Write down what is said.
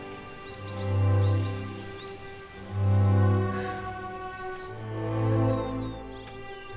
はあ。